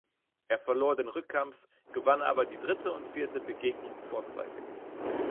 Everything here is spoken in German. Er verlor den Rückkampf, gewann aber die dritte und vierte Begegnung vorzeitig.